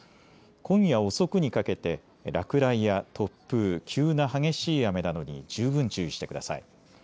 今夜遅くにかけて落雷や突風、急な激しい雨などに十分注意してください。